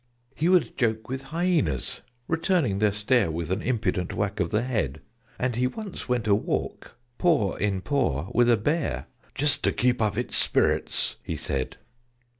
He would joke with hyænas, returning their stare With an impudent wag of the head: And he once went a walk, paw in paw, with a bear, "Just to keep up its spirits," he said.